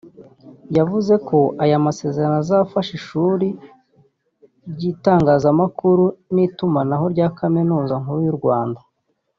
yavuze ko aya masezerano azafasha ishuri ry’itangazamakuru n’itumanaho rya Kaminuza Nkuru y’u Rwanda